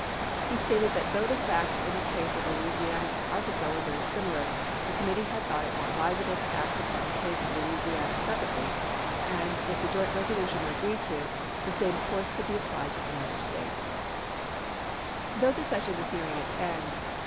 He stated that though the facts in the cases of Louisiana and Arkansas were very similar, the committee had thought it more advisable to act upon the case of Louisiana separately, and, if the joint resolution were agreed to, the same course could be applied to any other State. RECONSTRUCTION 455 Though the session was nearing its end, there chap.